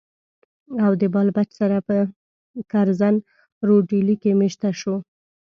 او د بال بچ سره پۀ کرزن روډ ډيلي کښې ميشته شو